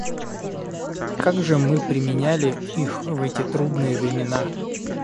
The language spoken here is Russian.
Как же мы применяли их в эти трудные времена?